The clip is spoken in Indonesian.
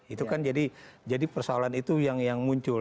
itu kan jadi persoalan itu yang muncul